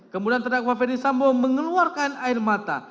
kemudian terdakwa ferdisambo mengeluarkan air mata